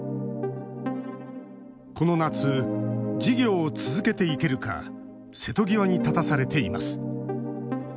この夏、事業を続けていけるか瀬戸際に立たされています。